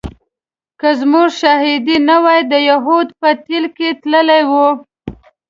که زموږ شاهدي نه وای د یهودي په ټېل کې تللی و.